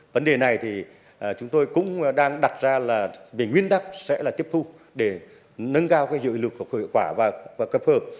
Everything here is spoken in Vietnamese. vấn đề này thì chúng tôi cũng đang đặt ra là nguyên đắc sẽ là tiếp thu để nâng cao dự lực của cơ hội quả và cấp hợp